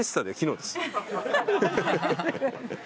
ハハハハ！